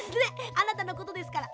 あなたのことですから。